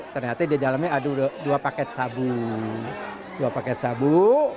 ternyata di dalamnya ada dua paket sabu